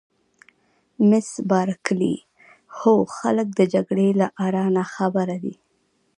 مس بارکلي: هو خلک د جګړې له آره ناخبره دي.